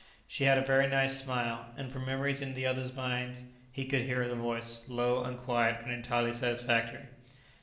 She had a very nice smile, and from memories in the others' minds he could hear her voice, low and quiet and entirely satisfactory.